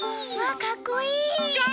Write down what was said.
かっこいい！